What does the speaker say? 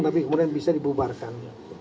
tapi kemudian bisa dibubarkan